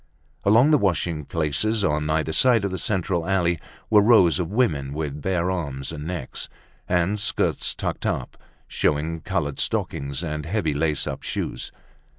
Along the washing places, on either side of the central alley, were rows of women, with bare arms and necks, and skirts tucked up, showing colored stockings and heavy lace up shoes.